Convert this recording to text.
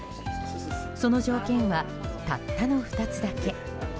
その条件は、たったの２つだけ。